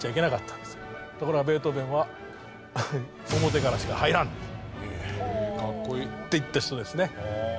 ところがベートーヴェンは「表からしか入らん！」って言った人ですね。